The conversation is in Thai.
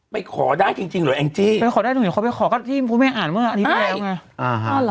ไปขอได้จริงจริงหรอแองจี้ไปขอได้จริงจริงเขาไปขอก็ที่ผู้แม่อ่านเมื่ออาทิตย์ที่แล้วไง